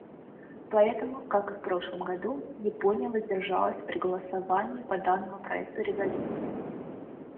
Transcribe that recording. Поэтому, как и в прошлом году, Япония воздержалась при голосовании по данному проекту резолюции.